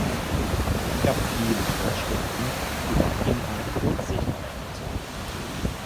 Es gab viele Vorschriften über Inhalt und Sichtbarkeit usw.